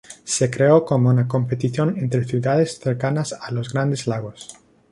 Se creó como una competición entre ciudades cercanas a los Grandes Lagos.